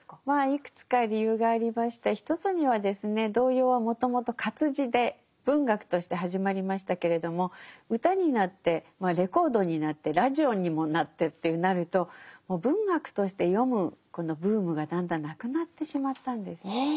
まあいくつか理由がありまして一つにはですね童謡はもともと活字で文学として始まりましたけれども歌になってレコードになってラジオにもなってってなるともう文学として読むこのブームがだんだんなくなってしまったんですね。